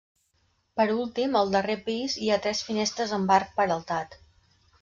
Per últim al darrer pis hi ha tres finestres amb arc peraltat.